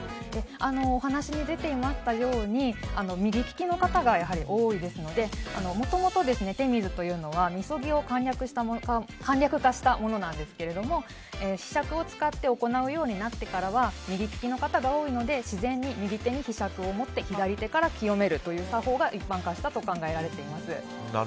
お話に出ていましたように右利きの方が多いですのでもともと、手水はみそぎを簡略化したものですが柄杓を使って行うようになってからは右利きの方が多いので自然に右手にひしゃくを持って左手から清めるという作法が一般化したと考えられます。